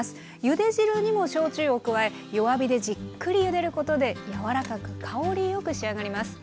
ゆで汁にも焼酎を加え弱火でじっくりゆでることで柔らかく香りよく仕上がります。